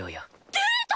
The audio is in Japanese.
デート